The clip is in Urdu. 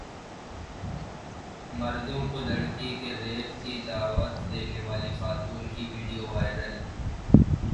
مردوں کو لڑکی کے ریپ کی دعوت دینے والی خاتون کی ویڈیو وائرل